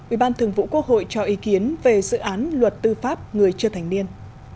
ubth cho ý kiến về dự án luật tư pháp người chưa thành niên